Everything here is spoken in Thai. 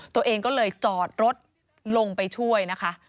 ตัวเองก็เลยจอดรถลงไปช่วยนะคะ